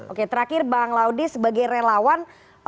oke terakhir bang laude sebagai relawan